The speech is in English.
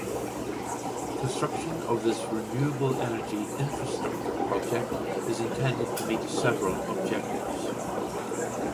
Construction of this renewable energy infrastructure project is intended to meet several objectives.